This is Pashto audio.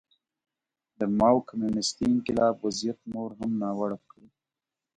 د ماوو کمونېستي انقلاب وضعیت نور هم ناوړه کړ.